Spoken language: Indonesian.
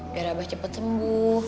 biar abah cepat sembuh